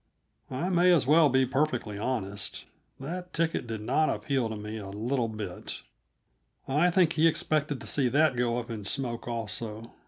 I may as well be perfectly honest! That ticket did not appeal to me a little bit. I think he expected to see that go up in smoke, also.